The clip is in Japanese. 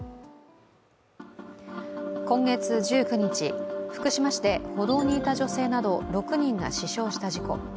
今月１９日、福島市で歩道にいた女性など６人が死傷した事故。